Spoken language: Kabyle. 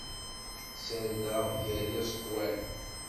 Serdeɣ gar yiẓekwan.